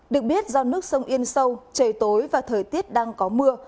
được biết do nước sông yên sâu trời tối và thời tiết đang có mưa